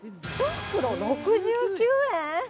１袋６９円。